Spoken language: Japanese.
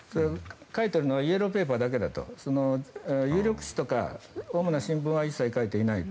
書いてあるのはイエローペーパーだけだと有力紙とか主な新聞は一切書いていない。